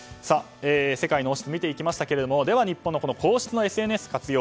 世界の王室を見ていきましたがでは日本の皇室のＳＮＳ活用